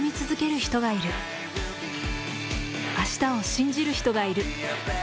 明日を信じる人がいる。